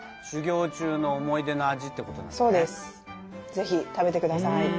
ぜひ食べてください。